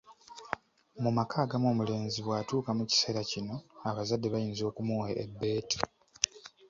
Mu maka agamu omulenzi bwatuuka mu kiseera kino abazadde bayinza okumuwa ebbeetu.